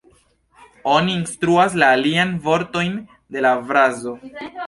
Oni instruas la aliajn vortojn de la frazo.